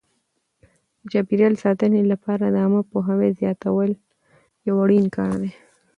د چاپیریال ساتنې لپاره د عامه پوهاوي زیاتول یو اړین کار دی.